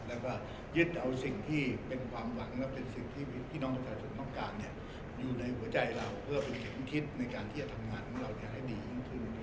แล้วก็ยึดเอาสิ่งที่เป็นความหวังและเป็นสิ่งที่พี่น้องประชาชนต้องการอยู่ในหัวใจเราเพื่อเป็นเข็มคิดในการที่จะทำงานของเราให้ดียิ่งขึ้น